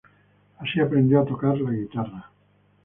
Así aprendió a tocar la guitarra.